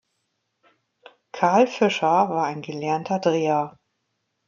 Karl Fischer war ein gelernter Dreher.